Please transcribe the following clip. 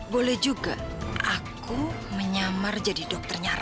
boleh juga aku menyamar jadi dokternya